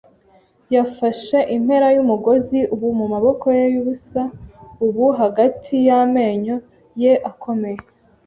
yafashe impera yumugozi, ubu mumaboko ye yubusa, ubu hagati y amenyo ye akomeye.